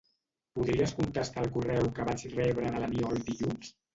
Podries contestar el correu que vaig rebre de l'Aniol dilluns?